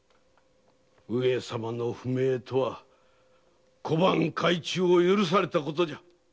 上様の不明とは小判改鋳を許されたことじゃ。